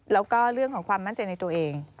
แล้วก็เรื่องของความมั่นใจในตัวเอง